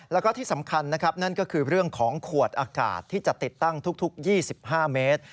แล้วก็ที่สำคัญนะครับนั่นก็คือเรื่องของขวดอากาศที่จะติดตั้งทุก๒๕เมตร